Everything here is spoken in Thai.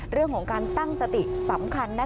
เรื่องของการตั้งสติสำคัญ